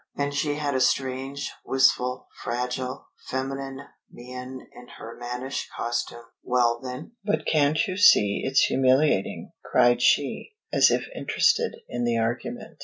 And she had a strange, wistful, fragile, feminine mien in her mannish costume. "Well then " "But can't you see it's humiliating?" cried she, as if interested in the argument.